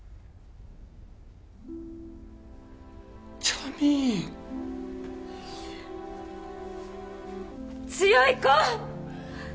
ジャミーン強い子！